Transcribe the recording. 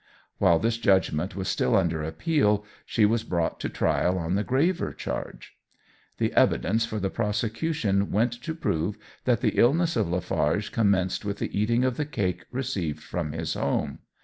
While this judgment was still under appeal, she was brought to trial on the graver charge. The evidence for the prosecution went to prove that the illness of Lafarge commenced with the eating of the cake received from his home.